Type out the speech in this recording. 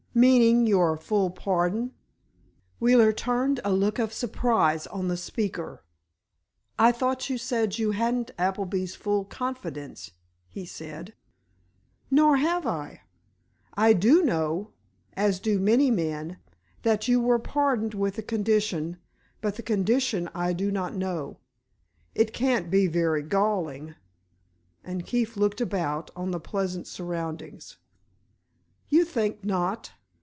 "Meaning your full pardon?" Wheeler turned a look of surprise on the speaker. "I thought you said you hadn't Appleby's full confidence," he said. "Nor have I. I do know—as do many men—that you were pardoned with a condition, but the condition I do not know. It can't be very galling." And Keefe looked about on the pleasant surroundings. "You think not?